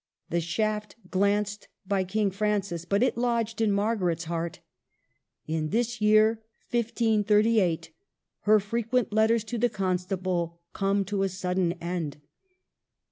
The shaft glanced by King Francis, but it lodged in Margaret's heart. In this year, 1538, her frequent letters to the Constable come to a sudden end.